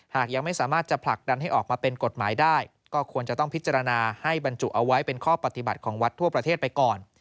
หากยังไม่สามารถจะผลักดันให้ออกมาเป็นกฎหมายได้ก็ควรจะต้องพิจารณาให้บรรจุเอาไว้เป็นข้อปฏิบัติของวัดทั่วประเทศไปก่อน